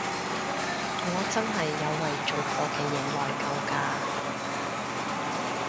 我真係有為做過嘅嘢內疚㗎